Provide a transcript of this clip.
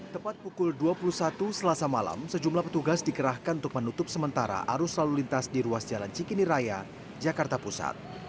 tepat pukul dua puluh satu selasa malam sejumlah petugas dikerahkan untuk menutup sementara arus lalu lintas di ruas jalan cikini raya jakarta pusat